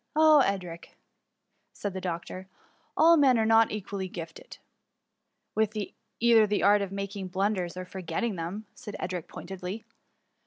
" Ah, Edric !" returned the doctor, " all men are not equally gifted." THE UVMUY. S45 " With either the art of making blunders, or forgetting them," said Edric pointedly.